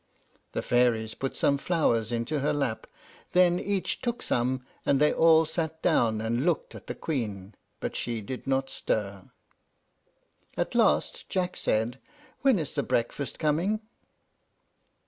The fairies put some flowers into her lap, then each took some, and they all sat down and looked at the Queen, but she did not stir. At last Jack said, "When is the breakfast coming?"